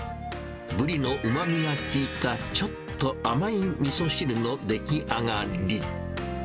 ブリのうまみが効いた、ちょっと甘いみそ汁の出来上がり。